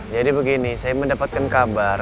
jadi begini saya mendapatkan kabar